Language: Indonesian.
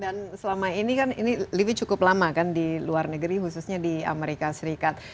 dan selama ini kan ini lebih cukup lama kan di luar negeri khususnya di amerika serikat